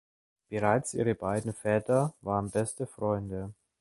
Bereits ihre beiden Väter waren beste Freunde.